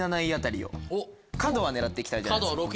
角は狙って行きたいじゃないですか